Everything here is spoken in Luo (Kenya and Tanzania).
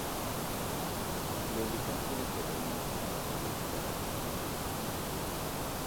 meli kaa achiel koda yie ok odich koda sa.